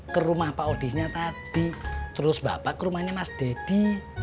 ke rumah pak odinya tadi terus bapak ke rumahnya mas deddy